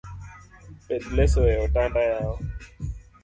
Pedh leso e otanda yawa.